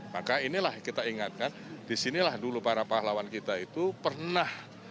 maka inilah kita ingatkan disinilah dulu para pahlawan kita itu pernah